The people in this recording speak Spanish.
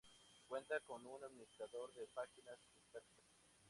Cuenta con un administrador de páginas estáticas.